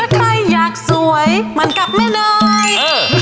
ถ้าใครอยากสวยเหมือนกับแม่เนย